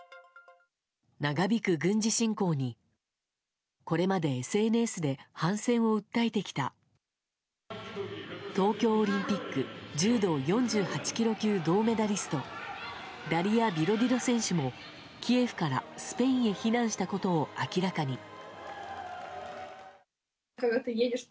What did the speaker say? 長引く軍事侵攻にこれまでＳＮＳで反戦を訴えてきた東京オリンピック柔道４８ｋｇ級銅メダリストダリア・ビロディド選手もキエフからスペインへ避難したことを明らかに。